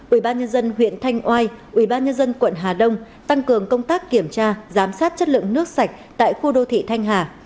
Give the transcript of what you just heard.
ubnd huyện thanh oai ubnd quận hà đông tăng cường công tác kiểm tra giám sát chất lượng nước sạch tại khu đô thị thanh hà